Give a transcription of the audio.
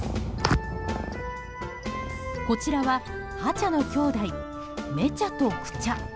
こちらは「ハチャ」のきょうだい「メチャ」と「クチャ」。